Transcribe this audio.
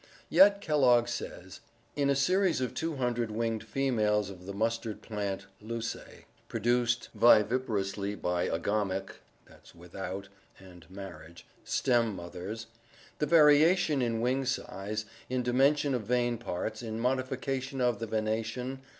Yet Kellogg says: "In a series of 200 winged females of the mustard plant louSe (species unknown) produced viviparously by agamic [Gr. a , with out, and 7«fu)9, marriage] stem mothers, ... the variation in wing size, in dimensions of vein parts, in modification of the vena tion